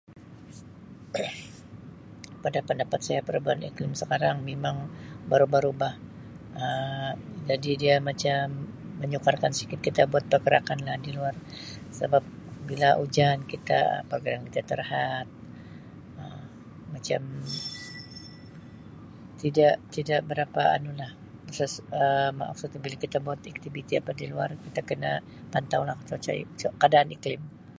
Pada pendapat saya perubahan iklim sekarang mimang berubah-rubah Um jadi dia macam menyukarkan sikit kita buat pergerakan lah di luar sabab bila kita bila hujan pergerakan kita terhad Um macam tidak tidak berapa anu lah [unintelligible] bila kita buat aktiviti apa di luar kita kena pantau lah [unintelligible] keadaan iklim.